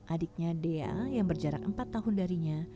adiknya dea yang berjarak empat tahun darinya